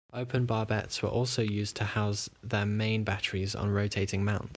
Open barbettes were also used to house their main batteries on rotating mounts.